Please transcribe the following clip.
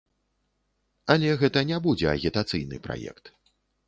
Але гэта не будзе агітацыйны праект.